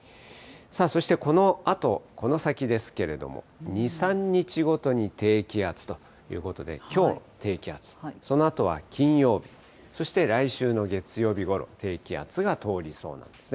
そしてこのあと、この先ですけれども、２、３日ごとに低気圧ということで、きょう低気圧、そのあとは金曜日、そして来週の月曜日ごろ、低気圧が通りそうなんですね。